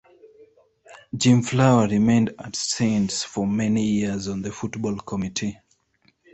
Jim Flower remained at Saints for many years on the Football committee.